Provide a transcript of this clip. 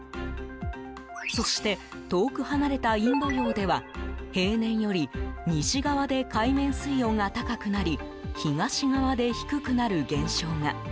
そして、遠く離れたインド洋では平年より西側で海面水温が高くなり東側で低くなる現象が。